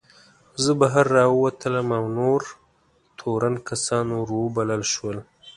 زه بهر راووتلم او نور تورن کسان ور وبلل شول.